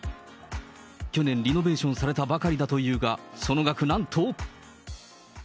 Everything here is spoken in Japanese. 去年、リノベーションされたばかりだというが、その額、なんと。